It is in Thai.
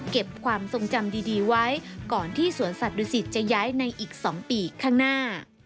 ความทรงจำดีไว้ก่อนที่สวนสัตว์ดุสิตจะย้ายในอีก๒ปีข้างหน้า